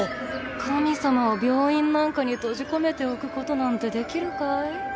神様を閉じ込めておくことなんてできるかい？